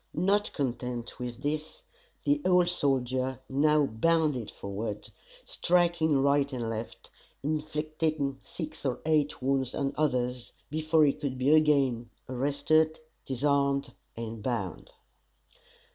Not content with this, the old soldier now bounded forward, striking right and left, inflicting six or eight wounds on others, before he could be again arrested, disarmed, and bound.